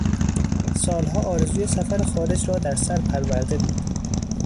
سالها آرزوی سفر خارج را در سر پرورده بود.